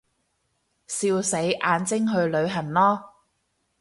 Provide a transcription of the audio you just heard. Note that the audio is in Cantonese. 笑死，眼睛去旅行囉